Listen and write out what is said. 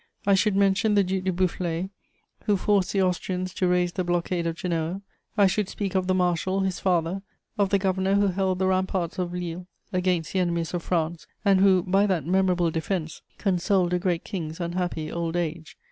I should mention the Duc de Boufflers who forced the Austrians to raise the blockade of Genoa. I should speak of the marshal, his father, of the governor who held the ramparts of Lille against the enemies of France, and who, by that memorable defense, consoled a great king's unhappy old age.